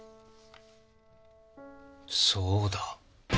そうだ。